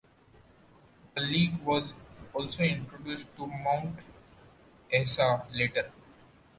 A league was also introduced to Mount Isa later.